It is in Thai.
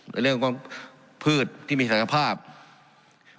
ในมีพืชที่มีค่าสามารถภาพ